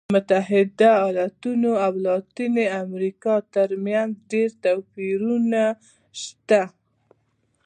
د متحده ایالتونو او لاتینې امریکا ترمنځ ډېر توپیرونه شته.